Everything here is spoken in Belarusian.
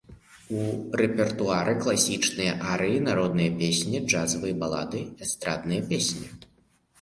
У рэпертуары класічныя арыі, народныя песні, джазавыя балады, эстрадныя песні.